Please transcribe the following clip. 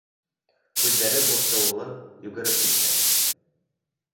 Күҙҙәре борсоулы йүгереп китте.